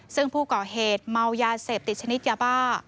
ซึ่งผู้ก่อเหตุเมายาเสพติดชนิดยาบ้า